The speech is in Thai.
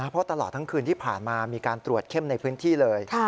เพราะตลอดทั้งคืนที่ผ่านมามีการตรวจเข้มในพื้นที่เลย